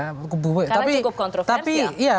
karena cukup kontroversial